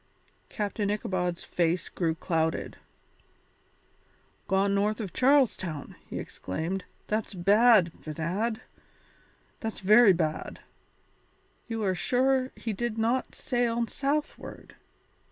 Captain Ichabod's face grew clouded. "Gone north of Charles Town," he exclaimed, "that's bad, bedad, that's very bad. You are sure he did not sail southward?"